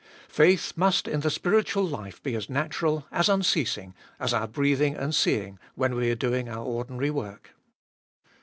Faith must in the spiritual life be as natural, as unceasing, as our breathing and seeing when we are doing our ordinary work.